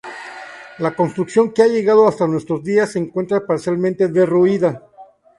La construcción que ha llegado hasta nuestros días se encuentra parcialmente derruida.